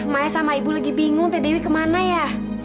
maya sama ibu lagi bingung tdw kemana ya